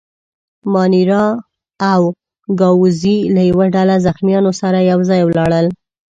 مانیرا او ګاووزي له یوه ډله زخیمانو سره یو ځای ولاړل.